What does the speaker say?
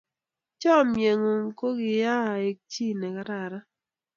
chamiyet ng'un ko koai aengu ji ne karakan